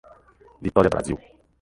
Vitória Brasil